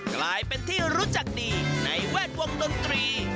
กลายเป็นที่รู้จักดีในแวดวงดนตรี